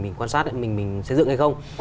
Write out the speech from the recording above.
mình quan sát mình xây dựng hay không